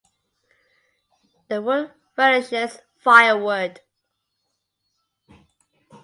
The wood furnishes firewood.